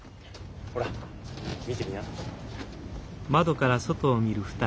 ほら見てみな。